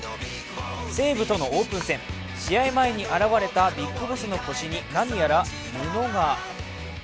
西武とのオープン戦、試合前に現れたビッグボスの腰に何やら布が。